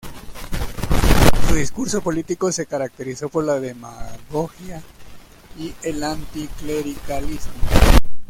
Su discurso político se caracterizó por la demagogia y el anticlericalismo.